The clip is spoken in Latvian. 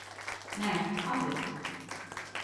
Nē, atradu.